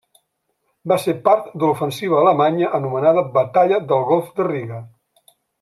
Va ser part de l'ofensiva alemanya anomenada batalla del Golf de Riga.